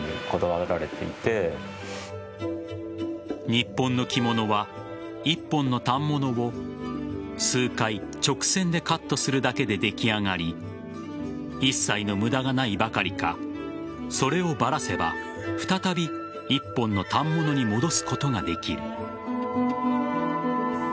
日本の着物は１本の反物を数回、直線でカットするだけで出来上がり一切の無駄がないばかりかそれをばらせば再び１本の反物に戻すことができる。